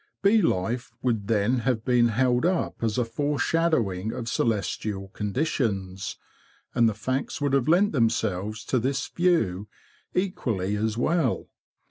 Bee life would then have been held up as a foreshadowing of celestial conditions, and the facts would have lent themselves to this view equally as well.